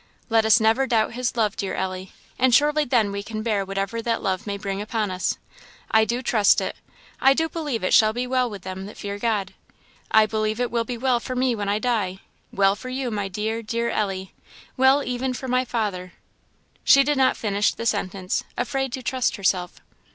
'Let us never doubt His love, dear Ellie, and surely then we can bear whatever that love may bring upon us. I do trust it. I do believe it shall be well with them that fear God. I believe it will be well for me when I die well for you, my dear, dear Ellie well even for my father " She did not finish the sentence, afraid to trust herself.